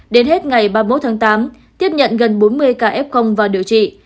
đến hết ngày ba mươi một tháng tám tiếp nhận gần bốn mươi ca f vào điều trị